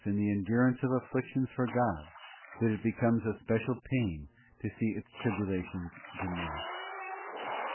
in the endurance of afflictions for God, that it becomes a special pain to see its tribulations diminished.